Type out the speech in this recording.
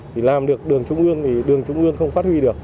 thì làm được đường trung ương thì đường trung ương không phát huy được